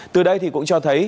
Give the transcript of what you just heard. từ đây thì cũng cho thấy